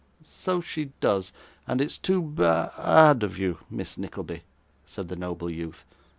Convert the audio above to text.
'So she does, and it's too ba a d of you, Miss Nickleby,' said the noble youth.